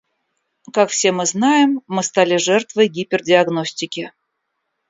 Как все мы знаем, мы стали жертвой гипердиагностики.